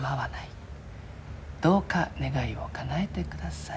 どうか願いをかなえて下さい。